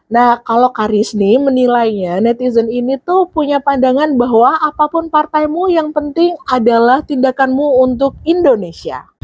nah kalau karisni menilainya netizen ini tuh punya pandangan bahwa apapun partaimu yang penting adalah tindakanmu untuk indonesia